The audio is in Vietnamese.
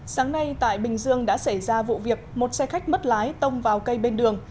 sáng nay tại bình dương đã xảy ra vụ việc một xe khách mất lái tông vào cây bên đường